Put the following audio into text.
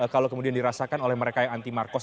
kalau kemudian dirasakan oleh mereka yang anti marcos